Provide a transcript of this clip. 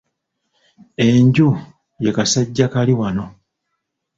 Enju ye Kasajjakaaliwano.